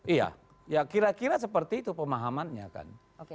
iya ya kira kira seperti itu pemahamannya kan